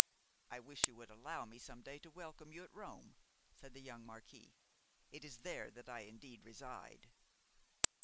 'I wish you would allow me some day to welcome you at Rome,' said the young marquis. 'It is there that I indeed reside.